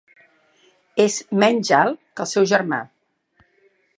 És menys alt que el seu germà.